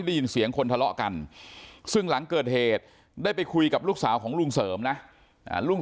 ไปดูหน่อยว่ามันเกิดอะไรขึ้นใครแทงลุงดำรง